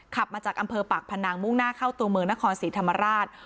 ขับมาจากอำเภอปากพนังมุ่งหน้าเข้าตัวเมืองนครศรีธรรมราช